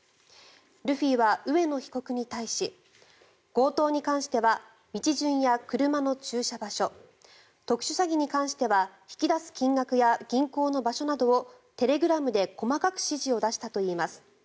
ルフィは上野被告に対し強盗に関しては道順や車の駐車場所特殊詐欺に関しては引き出す金額や銀行の場所などをテレグラムで細かく指示を出したといいます。